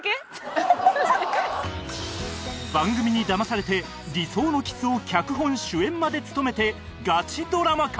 番組にだまされて理想のキスを脚本・主演まで務めてガチドラマ化！